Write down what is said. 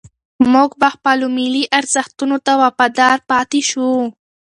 موږ به خپلو ملي ارزښتونو ته وفادار پاتې شو.